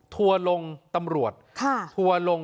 ทัมรวจทัมรวจ